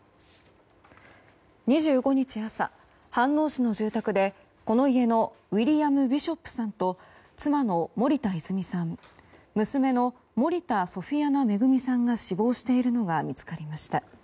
２５日朝、飯能市の住宅でこの家のウィリアム・ビショップさんと妻の森田泉さん娘の森田ソフィアナ恵さんが死亡しているのが見つかりました。